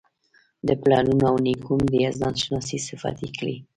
د پلرونو او نیکونو د یزدان شناسۍ صفت یې کړی.